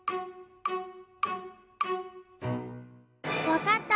わかった！